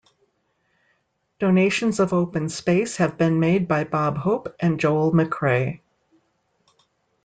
Donations of open space have been made by Bob Hope and Joel McCrea.